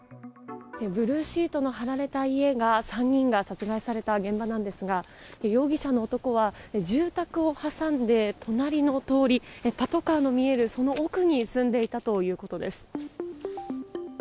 ブルーシートの張られた家が３人が殺害された現場なんですが容疑者の男は住宅を挟んで隣の通りパトカーの見えるその奥に住んでいたということです。